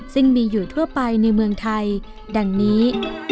ซึ่งมีอยู่ทั่วไปในเมืองไทยดังนี้